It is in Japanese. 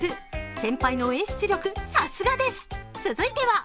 先輩の演出力、さすがです。